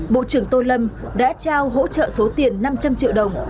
bộ trưởng tô lâm đã trao hỗ trợ số tiền năm trăm linh triệu đồng